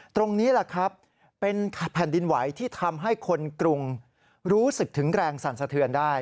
ตรงนี้แหละครับเป็นแผ่นดินไหวที่ทำให้คนกรุงรู้สึกถึงแรงสั่นสะเทือนได้